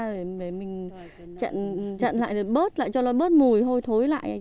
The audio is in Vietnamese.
để mình chặn lại rồi bớt lại cho nó bớt mùi hôi thối lại